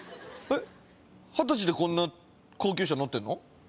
二十歳でこんな高級車乗ってんの？